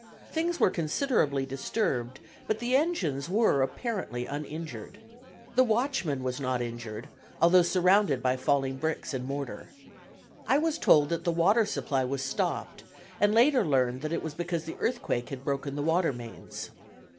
Things were considerably disturbed, but the engines were apparently uninjured. The watchman was not injured, although surrounded by falling bricks and mortar. I was told that the water supply was stopped, and later learned that it was because the earthquake had broken the water mains.